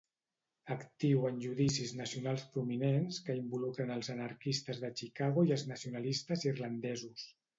Actiu en judicis nacionals prominents que involucren els anarquistes de Chicago i els nacionalistes irlandesos.